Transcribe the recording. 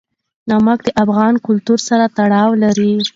نمک د افغان کلتور سره تړاو لري.